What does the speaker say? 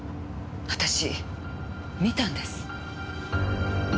私見たんです。